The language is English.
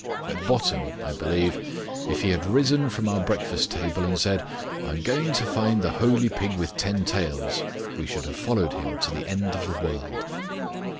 At bottom, I believe, if he had risen from our breakfast table and said: "I am going to find the Holy Pig with Ten Tails," we should have followed him to the end of the world.